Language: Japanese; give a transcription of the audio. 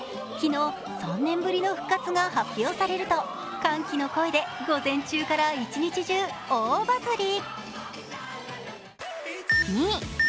昨日、３年ぶりの復活が発表されると歓喜の声で午前中から一日中大バズり。